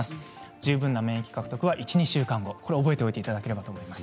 十分な免疫獲得は１、２週間後これを覚えておいていただければと思います。